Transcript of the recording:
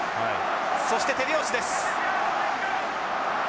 そして手拍子です。